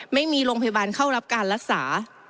ไม่มีโรงพยาบาลเข้ารับการรักษา